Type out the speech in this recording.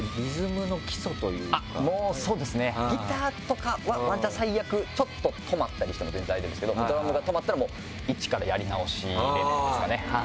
そうですねギターとかはワンチャン最悪ちょっと止まったりしても全然大丈夫ですけどドラムが止まったらもう一からやり直しレベルですかね。